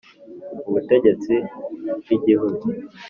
Ubutegetsi bw Igihugu